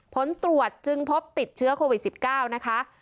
ผลตรวจจึงพบติดเชื้อโควิด๑๙นะคะ